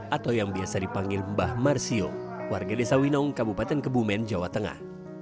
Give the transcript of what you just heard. atau yang biasa dipanggil mbah marsio warga desa winong kabupaten kebumen jawa tengah